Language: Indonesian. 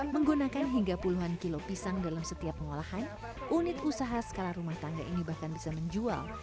menggunakan hingga puluhan kilo pisang dalam setiap pengolahan unit usaha skala rumah tangga ini bahkan bisa menjual